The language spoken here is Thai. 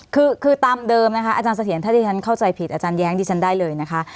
คือคือตามเดิมนะคะอาจารย์เสถียรถ้าที่ฉันเข้าใจผิดอาจารย์แย้งดิฉันได้เลยนะคะ